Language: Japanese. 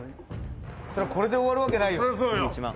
「これで終わるわけないよ」